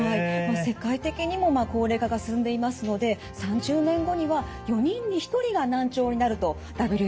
世界的にも高齢化が進んでいますので３０年後には４人に１人が難聴になるとＷＨＯは予測しています。